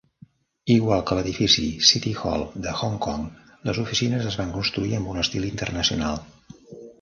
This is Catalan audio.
Igual que l'edifici City Hall de Hong Kong, les oficines es van construir amb un estil internacional.